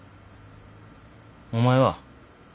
お前は？